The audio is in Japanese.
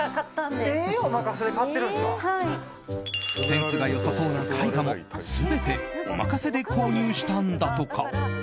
センスが良さそうな絵画も全てお任せで購入したんだとか。